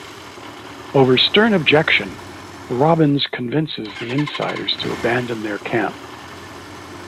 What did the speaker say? Over stern objection, Robbins convinces the Insiders to abandon their camp.